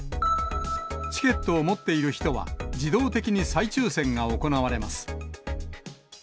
チケットを持っている人は、自動的に再抽せんが行われます。